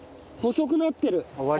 細くなってる？